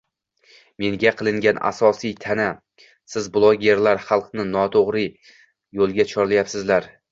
menga qilingan asosiy ta’na – «Siz blogerlar xalqni noto‘g‘ri yo‘lga chorlayapsizlar